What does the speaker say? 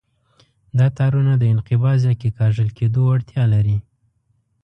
دا تارونه د انقباض یا کیکاږل کېدو وړتیا لري.